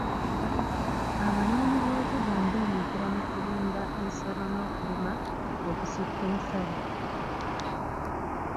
Abanoonyi b'obubudamu beenyigira mu kulunda ensolo n'okulima okusukka nsalo.